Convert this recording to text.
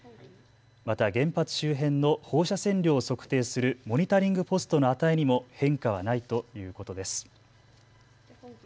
また原発周辺の放射線量を測定するモニタリングポストの値にも変化はないということです。